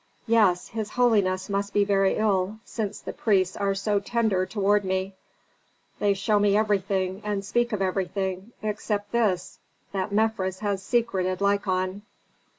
Yes, his holiness must be very ill, since the priests are so tender toward me. They show me everything and speak of everything, except this, that Mefres has secreted Lykon.